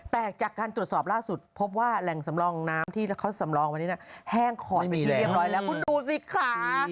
แต่จากการตรวจสอบล่าสุดพบว่าแหล่งสำรองน้ำที่เขาสำรองวันนี้แห้งขอดเป็นที่เรียบร้อยแล้วคุณดูสิค่ะ